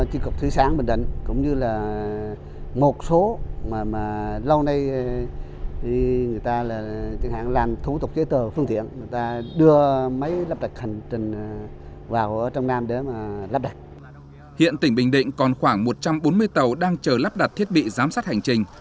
hiện tỉnh bình định còn khoảng một trăm bốn mươi tàu đang chờ lắp đặt thiết bị giám sát hành trình